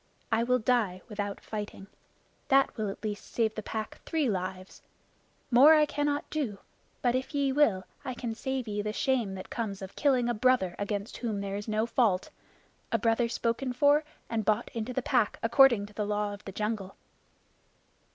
I will die without fighting. That will at least save the Pack three lives. More I cannot do; but if ye will, I can save ye the shame that comes of killing a brother against whom there is no fault a brother spoken for and bought into the Pack according to the Law of the Jungle."